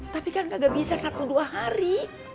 tapi kan gak bisa satu dua hari